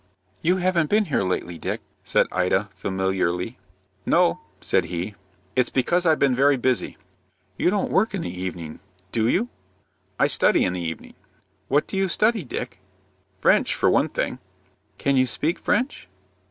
"You haven't been here lately, Dick," said Ida, familiarly. "No," said he. "It's because I've been very busy." "You don't work in the evening, do you?" "I study in the evening." "What do you study, Dick?" "French, for one thing." "Can you speak French?"